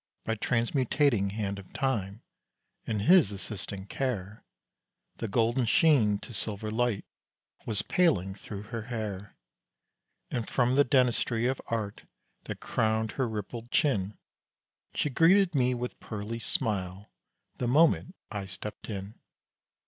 By transmutating hand of time, and his assistant care, The golden sheen to silver light was paling thro' her hair, And from the dentistry of art, that crowned her rippled chin, She greeted me with pearly smile, the moment I stepped in.